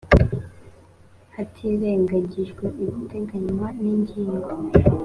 hatirengagijwe ibiteganywa n’ingingo